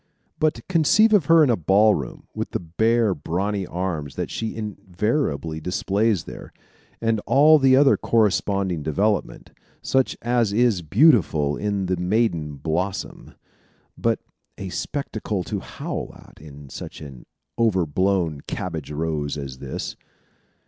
But conceive of her in a ball room, with the bare, brawny arms that she invariably displays there, and all the other corresponding development, such as is beautiful in the maiden blossom, but a spectacle to howl at in such an over blown cabbage rose as this.